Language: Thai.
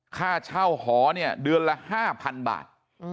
ค่าเช่าหอเนี่ยเดือนละ๕๐๐๐บาท